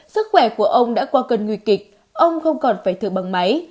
sức khỏe của ông đã qua cơn nguy kịch ông không còn phải thử bằng máy